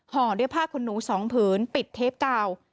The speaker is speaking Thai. ห่อด้วยผ้าขนหนู๒ผืนปิดเทปกาว